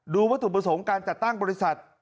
วัตถุประสงค์การจัดตั้งบริษัท